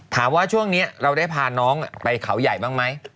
ถามว่าช่วงนี้เราได้พาน้องไปเขาใหญ่บ้างไหม